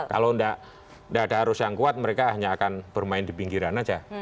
kalau tidak ada arus yang kuat mereka hanya akan bermain di pinggiran saja